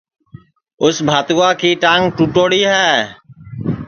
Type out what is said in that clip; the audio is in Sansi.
ٻگتیئے کی ٹانگ ٹُوٹوڑی ہے